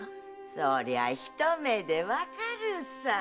そりゃひと目でわかるさ！